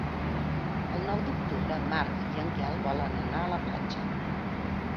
El nou d'octubre en Marc i en Quel volen anar a la platja.